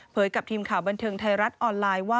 กับทีมข่าวบันเทิงไทยรัฐออนไลน์ว่า